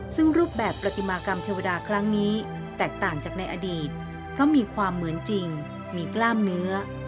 ซึ่งรูปแบบประติมากรรมเทวดาครั้งนี้แตกต่างจากในอดีตเพราะมีความเหมือนจริงมีกล้ามเนื้อ